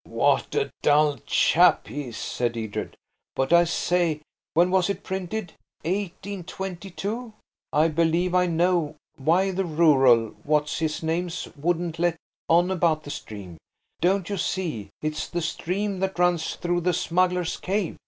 '" "What a dull chap he is!" said Edred. "But, I say, when was it printed–1822? ... I believe I know why the rural What's his names wouldn't let on about the stream. Don't you see, it's the stream that runs through the smuggler's cave?